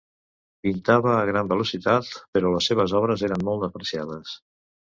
Pintava a gran velocitat, però les seves obres eren molt apreciades.